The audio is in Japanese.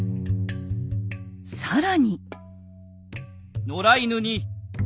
更に。